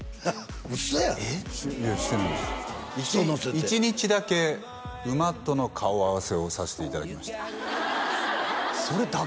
１日だけ馬との顔合わせをさせていただきましたそれだけ？